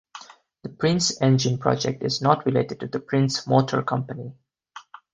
The Prince engine project is not related to the Prince Motor Company.